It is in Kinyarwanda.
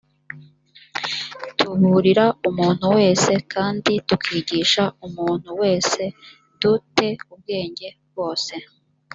tuburira umuntu wese kandi tukigisha umuntu wese du te ubwenge bwose